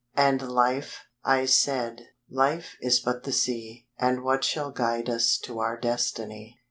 "And Life," I said, "Life is but like the sea; And what shall guide us to our destiny?"